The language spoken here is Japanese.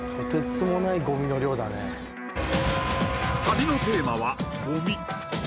旅のテーマはごみ。